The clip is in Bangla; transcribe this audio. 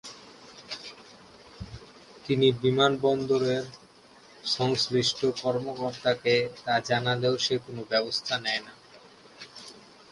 তিনি বিমানবন্দরের সংশ্লিষ্ট কর্মকর্তাকে তা জানালেও সে কোনো ব্যবস্থা নেয় না।